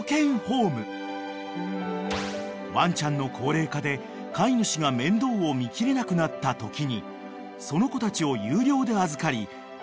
［ワンちゃんの高齢化で飼い主が面倒を見きれなくなったときにその子たちを有料で預かり終生までのお世話をする］